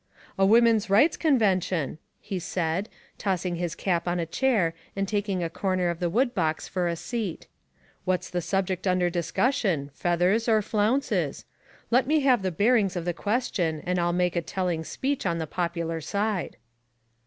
"A woman's rights convention," he said, toss ing his cap on a chair and taking a corner of the wood box for a seat. ''What's the subject un der discussion, feathers or flounces ? Let me have the bearings of the question and I'll make a telling speech on the popular side.'